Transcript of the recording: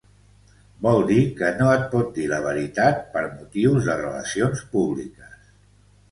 Vol dir que no et pot dir la veritat per motius de relacions públiques.